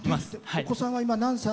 お子さんは今、何歳？